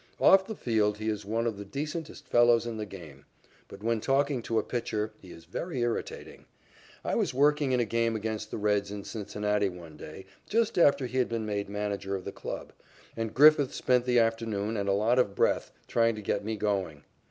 Off the field he is one of the decentest fellows in the game, but, when talking to a pitcher, he is very irritating. I was working in a game against the Reds in Cincinnati one day, just after he had been made manager of the club, and Griffith spent the afternoon and a lot of breath trying to get me going.